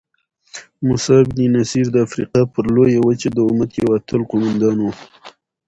موسی بن نصیر د افریقا پر لویه وچه د امت یو اتل قوماندان وو.